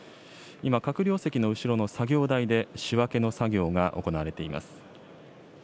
今閣僚席の後ろの作業台で仕分けの作業が行われています。